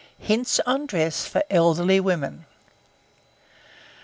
HINTS ON DRESS FOR ELDERLY WOMEN.